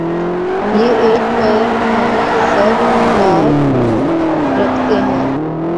یہ ایک پیر ہنِ زر نگار رکھتے ہیں